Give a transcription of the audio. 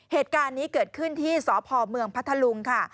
เหตุการณ์นี้เกิดขึ้นที่สพเมืองพัทธลุงค่ะ